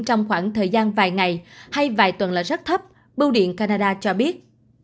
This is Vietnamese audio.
trong khoảng thời gian vài ngày hay vài tuần là rất thấp bưu điện canada cho biết